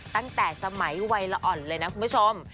ตั้งแต่สมัยวัยละอ่อนเลยนะคุณผู้ชม